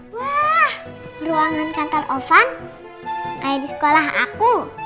wah ruangan kantor offan kayak di sekolah aku